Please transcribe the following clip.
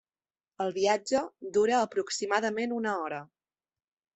El viatge dura aproximadament una hora.